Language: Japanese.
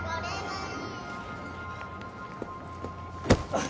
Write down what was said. ああ。